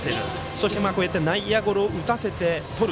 そして内野ゴロを打たせてとる。